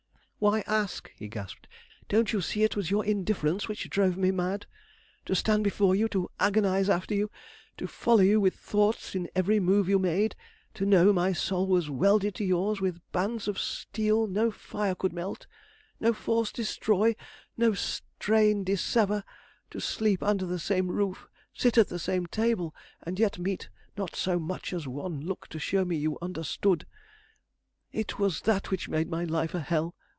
"Why ask!" he gasped. "Don't you see it was your indifference which drove me mad? To stand before you, to agonize after you, to follow you with thoughts in every move you made; to know my soul was welded to yours with bands of steel no fire could melt, no force destroy, no strain dissever; to sleep under the same roof, sit at the same table, and yet meet not so much as one look to show me you understood! It was that which made my life a hell.